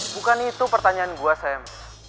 bukan itu pertanyaan gue sam